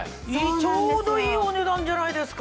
ちょうどいいお値段じゃないですか。